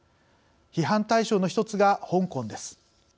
批判対象の１つが香港です。